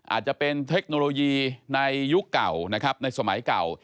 อาจจะเป็นเทคโนโลยีในยุคเก่านะครับในสมัยเก่า